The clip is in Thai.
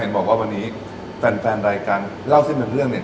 บอกว่าวันนี้แฟนรายการเล่าเส้นเป็นเรื่องเนี่ย